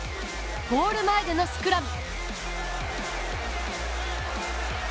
ゴール前でのスクラム。